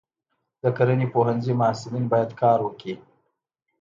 د کرنې پوهنځي محصلین باید کار وکړي.